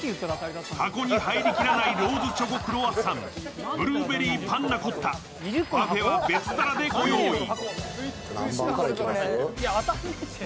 箱に入りきらないローズチョコクロワッサン、ブルーベリーパンナコッタ、パフェは別皿でご用意。